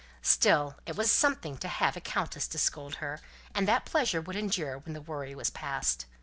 Still it was something to have a countess to scold her; and that pleasure would endure when the worry was past.